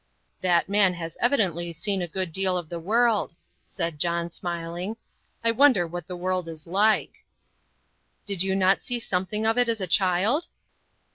"That man has evidently seen a good deal of the world," said John, smiling; "I wonder what the world is like!" "Did you not see something of it as a child?"